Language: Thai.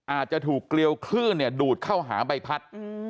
อาจจะถูกเกลียวคลื่นดูดเข้าหาใบพัด